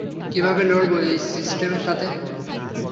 কিভাবে লড়বো এই সিস্টেমের সাথে?